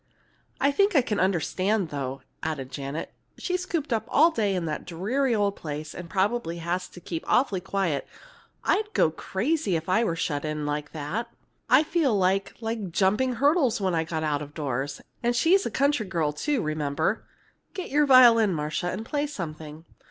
"I think I can understand, though," added Janet. "She's cooped up all day in that dreary old place, and probably has to keep awfully quiet. I'd go crazy if I were shut in like that. I'd feel like like jumping hurdles when I got out of doors. And she's a country girl, too, remember. Get your violin, Marcia, and play something.